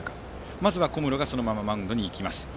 まずは小室がそのままマウンドに行きます。